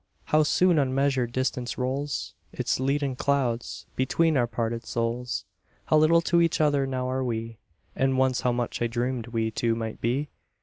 How soon unmeasured distance rolls Its leaden clouds between our parted souls! How little to each other now are we And once how much I dreamed we two might be!